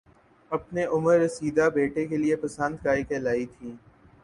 اپنے عمر رسیدہ بیٹے کےلیے پسند کرکے لائی تھیں